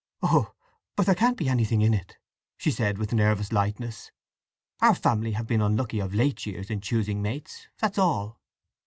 "Oh, but there can't be anything in it!" she said with nervous lightness. "Our family have been unlucky of late years in choosing mates—that's all."